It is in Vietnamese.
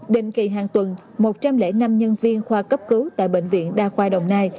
định kỳ hàng tuần một trăm linh năm nhân viên khoa cấp cứu tại bệnh viện đa khoa đồng nai